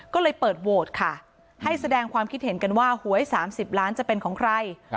ก็เลยเปิดโหวตค่ะให้แสดงความคิดเห็นกันว่าหวย๓๐ล้านจะเป็นของใคร